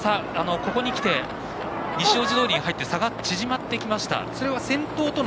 ここに来て西大路に入って差が縮まってきました。